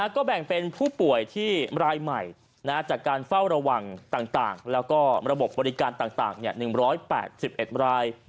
ก็แบ่งเป็นผู้ป่วยที่รายใหม่จากการเฝ้าระวังต่างแล้วก็ระบบบริการต่าง๑๘๑ราย